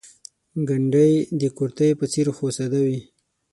ګنډۍ د کورتۍ په څېر خو ساده وي.